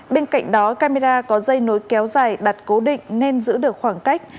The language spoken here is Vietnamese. bên cạnh đó camera có dây nối kéo dài đặt cố định nên giữ được khoảng cách